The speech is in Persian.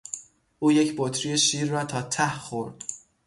او یک بطری شیر را تا ته خورد!